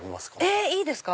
えっいいですか？